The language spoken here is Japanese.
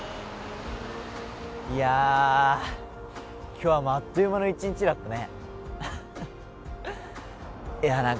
今日はあっという間の一日だったね。